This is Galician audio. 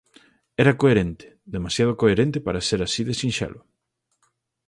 Era coherente, demasiado coherente para ser así de sinxelo.